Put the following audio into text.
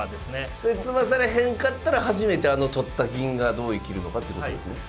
それ詰まされへんかったら初めてあの取った銀がどう生きるのかってことですね。